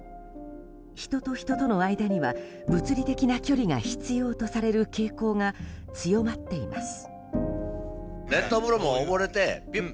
人と人との間には物理的な距離が必要とされる傾向が強まっています。